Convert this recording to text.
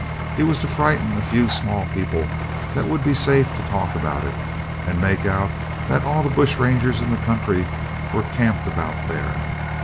He was to frighten a few small people that would be safe to talk about it, and make out that all the bush rangers in the country were camped about there.